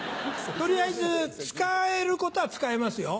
取りあえず使えることは使えますよ。